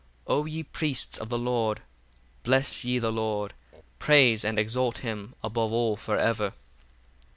62 O ye priests of the Lord, bless ye the Lord: praise and exalt him above all for ever.